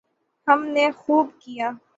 ہم نے خوب کیا۔